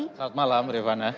selamat malam rivana